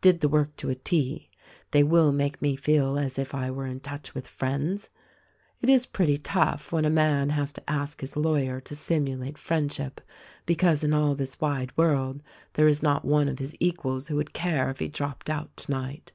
Did the work to a T. They will make me feel as if I were in touch with friends. It is pretty tough when a man has to ask his lawyer to simulate friendship because in all this wide world there is not one of his equals who would care if he dropped out tonight.